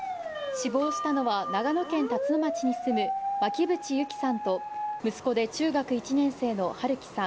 死亡したのは長野県辰野町に住む巻渕友希さんと息子で中学１年生の春樹さん